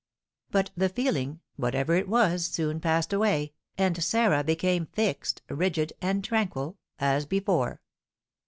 But the feeling, whatever it was, soon passed away, and Sarah became fixed, rigid, and tranquil, as before.